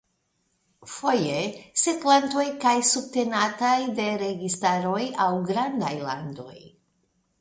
Foje setlantoj estas subtenataj de registaroj aŭ grandaj landoj.